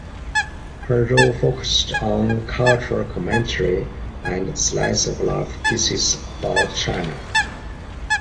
Her role focused on cultural commentary and "slice of life" pieces about China.